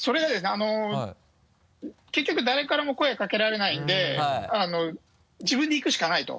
あの結局誰からも声をかけられないのであの自分で行くしかない！と。